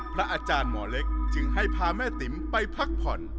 พระอาจารย์หมอเล็กจึงให้พาแม่ติ๋มไปพักผ่อน